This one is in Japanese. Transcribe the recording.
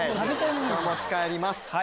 持ち帰ります。